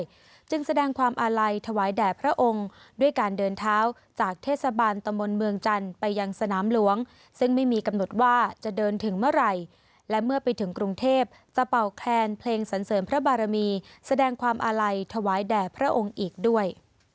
จึงแสดงความอาลัยถวายแด่พระองค์ด้วยการเดินเท้าจากเทศบาลตะมนต์เมืองจันทร์ไปยังสนามหลวงซึ่งไม่มีกำหนดว่าจะเดินถึงเมื่อไหร่และเมื่อไปถึงกรุงเทพจะเป่าแคนเพลงสันเสริมพระบารมีแสดงความอาลัยถวายแด่พระองค์อีกด้วย